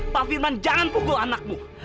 pak firman jangan pukul anakmu